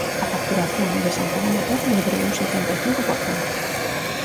A facturación de Santana Motor medrou un setenta e cinco por cento